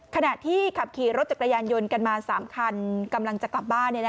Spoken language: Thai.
ขณะที่ขับขี่รถจักรยานยนต์กันมา๓คันกำลังจะกลับบ้าน